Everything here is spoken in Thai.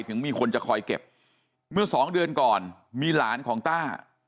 ถึงมีคนจะคอยเก็บเมื่อสองเดือนก่อนมีหลานของต้า